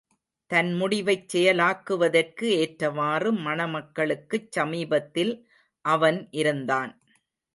தன் முடிவைச் செயலாக்குவதற்கு ஏற்றவாறு மணமக்களுக்குச் சமீபத்தில் அவன் இருந்தான்.